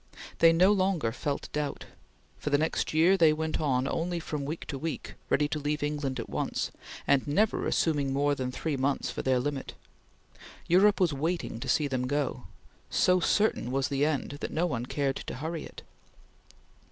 They no longer felt doubt. For the next year they went on only from week to week, ready to leave England at once, and never assuming more than three months for their limit. Europe was waiting to see them go. So certain was the end that no one cared to hurry it.